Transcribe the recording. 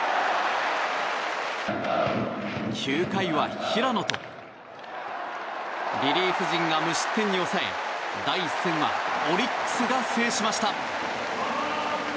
９回は平野とリリーフ陣が無失点に抑え第１戦はオリックスが制しました。